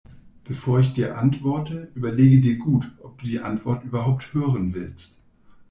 Bevor ich dir antworte, überlege dir gut, ob du die Antwort überhaupt hören willst.